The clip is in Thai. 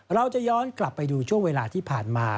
เราจะย้อนกลับไปดูช่วงเวลาที่ผ่านมา